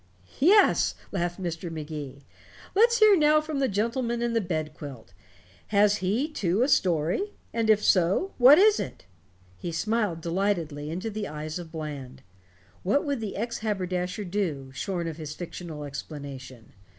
"Yes," laughed Mr. Magee, "let's hear now from the gentleman in the bed quilt. Has he, too, a story? And if so, what is it?" He smiled delightedly into the eyes of Bland. What would the ex haberdasher do, shorn of his fictional explanation?